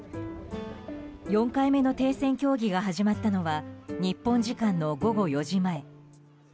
４回目の停戦協議が始まったのは日本時間の午後４時前。